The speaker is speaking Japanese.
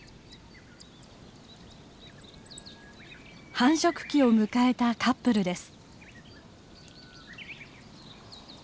繁殖期を迎えたカップルです。